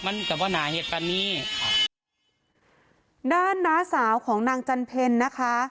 มันก็บ้าหนาเหตุปันนี้ด้านน้าสาวของนางจันเพลนะคะ